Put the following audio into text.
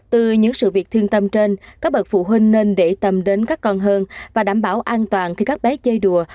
từ những sự việc thương tâm trên các bậc phụ huynh nên để tâm đến các con hơn và đảm bảo an toàn khi các bé chơi đùa